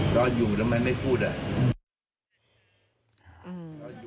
ก็อยู่แล้วมันไม่พูดอ่ะ